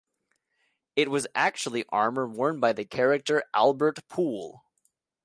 It was actually armor worn by the character Albert Poole.